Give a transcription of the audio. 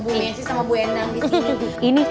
ketemu bu messi sama bu enang disini